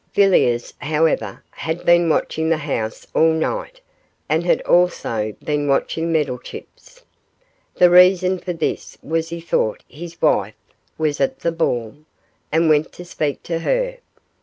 Villiers, however, had been watching the house all night, and had also been watching Meddlechip's. The reason for this was he thought his wife was at the ball, and wanted to speak to her.